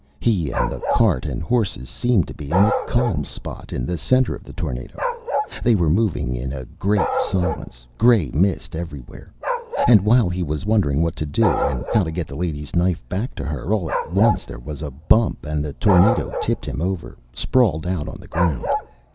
He and the cart and horses seemed to be in a calm spot in the center of the tornado. They were moving in a great silence, gray mist everywhere. And while he was wondering what to do, and how to get the lady's knife back to her, all at once there was a bump and the tornado tipped him over, sprawled out on the ground.